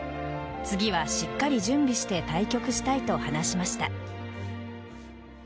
次はしっかり準備して対局したいと話しました。